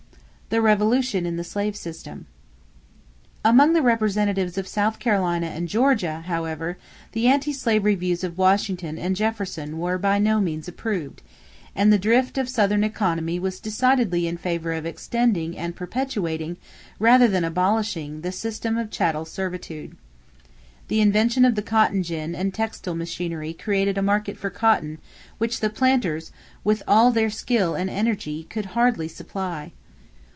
=The Revolution in the Slave System.= Among the representatives of South Carolina and Georgia, however, the anti slavery views of Washington and Jefferson were by no means approved; and the drift of Southern economy was decidedly in favor of extending and perpetuating, rather than abolishing, the system of chattel servitude. The invention of the cotton gin and textile machinery created a market for cotton which the planters, with all their skill and energy, could hardly supply.